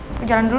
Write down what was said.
aku jalan dulu